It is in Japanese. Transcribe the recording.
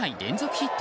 ヒット